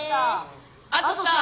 あとさ。